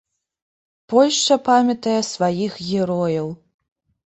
Польшча памятае сваіх герояў.